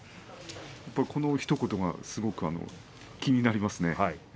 このひと言がすごく気になりますね。